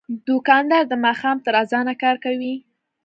دوکاندار د ماښام تر اذانه کار کوي.